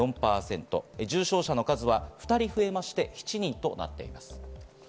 重症者の数は２人増えまして、７人となりました。